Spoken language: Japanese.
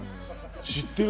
知ってる！